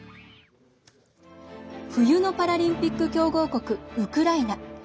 冬のパラリンピック強豪国ウクライナ。